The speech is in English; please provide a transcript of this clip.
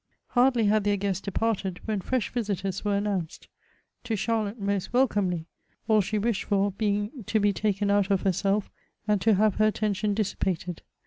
Hardly had their guests departed, when fresh visitors were announced — to Charlotte most welcomely, all she wished for being to be taken out of herself, and to have her attention dissipated.